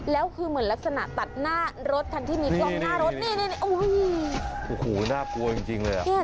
แล้วคือเหมือนลักษณะตัดหน้ารถที่มีดวงหน้ารถโอ้โหน่ากลัวจริงเลย